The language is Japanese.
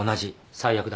最悪だ。